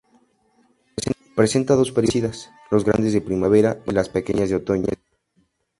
Presenta dos períodos de crecidas, las grandes de primavera y las pequeñas de otoño.